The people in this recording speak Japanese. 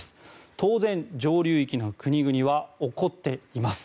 当然、上流域の国々は怒っています。